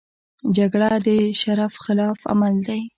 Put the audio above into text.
جګړه د شرف خلاف عمل دی